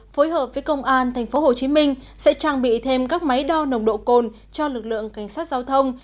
phối hợp với công an tp hcm sẽ trang bị thêm các máy đo nồng độ cồn cho lực lượng cảnh sát giao thông